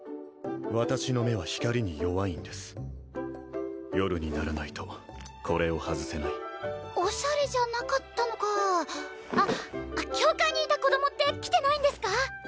私の目は光に弱いんです夜にならないとこれを外せないおしゃれじゃなかったのかあっ教会にいた子供って来てないんですか？